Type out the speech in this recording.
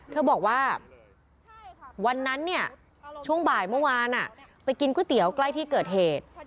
เธอบอกว่าวันนั้นเนี่ยช่วงบ่ายเมื่อวานไปกินก๋วยเตี๋ยวใกล้ที่เกิดเหตุ